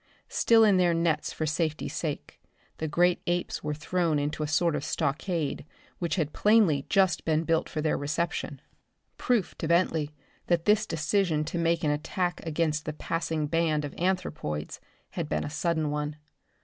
Still in their nets for safety's sake, the great apes were thrown into a sort of stockade which had plainly just been built for their reception proof to Bentley that this decision to make an attack against the passing band of anthropoids had been a sudden one.